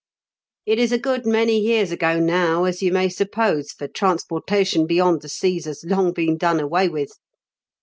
" It is a good many years ago now, as you may suppose, for transportation beyond the seas has long been done away with.